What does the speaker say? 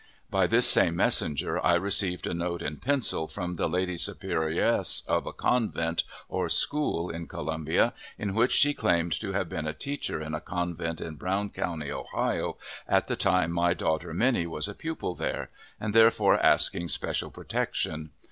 By this same messenger I received a note in pencil from the Lady Superioress of a convent or school in Columbia, in which she claimed to have been a teacher in a convent in Brown County, Ohio, at the time my daughter Minnie was a pupil there, and therefore asking special protection.